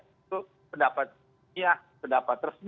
itu pendapat saya pendapat tersebut